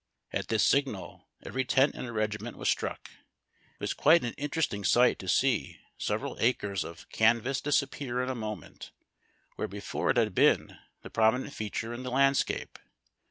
At this signal, every tent in a regiment v/as struck. It was quite an interesting siglit to see several acres of canvas disappear in a moment, where before it had been the jjromi nent feature in the landscape.